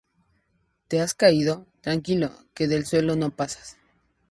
¿Te has caído? tranquilo que del suelo no pasas